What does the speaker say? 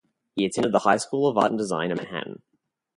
He attended the High School of Art and Design in Manhattan.